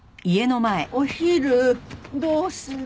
お昼どうする？